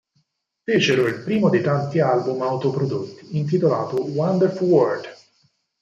Fecero il primo dei tanti album auto-prodotti, intitolato "Wonderful World!".